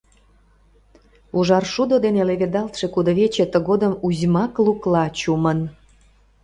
Ужар шудо дене леведалтше кудывече тыгодым узьмак лукла чумын.